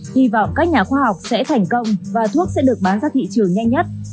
hy vọng các nhà khoa học sẽ thành công và thuốc sẽ được bán ra thị trường nhanh nhất